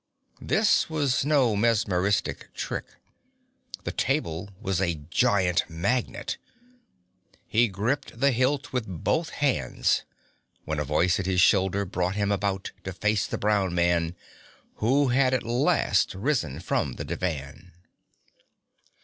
This was no mesmeristic trick. The table was a giant magnet. He gripped the hilt with both hands, when a voice at his shoulder brought him about, to face the brown man, who had at last risen from the divan.